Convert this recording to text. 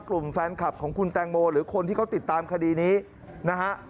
กลุ่มแฟนคลับของคุณแตงโมหรือคนที่เขาติดตามคดีนี้นะฮะ